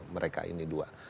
mereka ini dua